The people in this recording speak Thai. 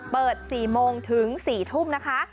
เปิด๔โมงถึง๔ทุ่มนะคะ